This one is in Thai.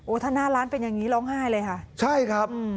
ถ้าหน้าร้านเป็นอย่างงี้ร้องไห้เลยค่ะใช่ครับ